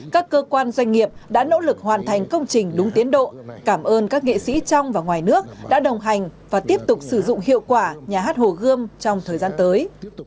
các cơ quan doanh nghiệp đã nỗ lực hoàn thành công trình đúng tiến độ cảm ơn các nghệ sĩ trong và ngoài nước đã đồng hành và tiếp tục sử dụng hiệu quả nhà hát hồ gươm trong thời gian tới